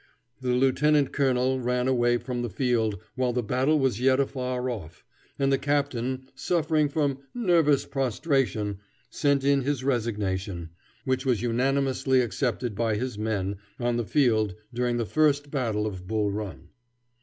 The lieutenant colonel ran away from the field while the battle was yet afar off, and the captain, suffering from "nervous prostration," sent in his resignation, which was unanimously accepted by his men, on the field during the first battle of Bull Run.